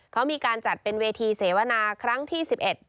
เขามีการจัดเป็นเวทีเสวนาครั้งที่๑๑